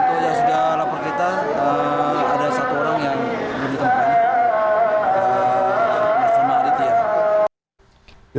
untuk yang sudah lapor kita ada satu orang yang belum ditemukan bersama aditya